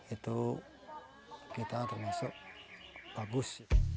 itu kita termasuk bagus